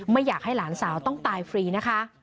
ไม่อยากให้หลานสาวต้องตายฟรีนะคะ